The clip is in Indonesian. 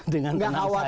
dengan tenang saja